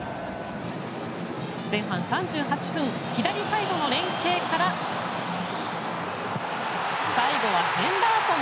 前半３８分、左サイドの連係から最後はヘンダーソン！